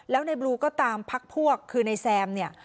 แล้วในบลูก็ตามพักพวกคือในแซมเนี่ย